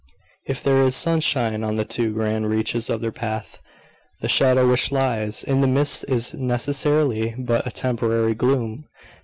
If there is sunshine on the two grand reaches of their path, the shadow which lies in the midst is necessarily but a temporary gloom.